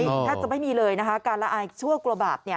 อ้ออถ้าจะไม่มีเลยนะฮะการละอายชั่วกลัวบาปเนี้ย